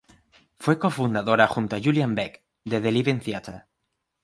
Fue cofundadora junto a Julian Beck de The Living Theatre.